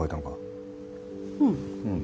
うん。